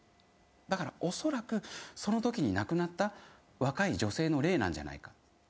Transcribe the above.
だからおそらくそのときに亡くなった若い女性の霊なんじゃないかって。